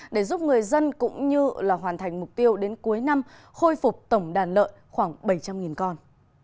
để giúp người dân cũng như hoàn thành mục tiêu đến cuối năm khôi phục tổng đàn lợn khoảng bảy trăm linh con